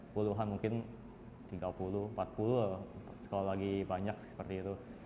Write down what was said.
puluhan mungkin tiga puluh empat puluh sekolah lagi banyak seperti itu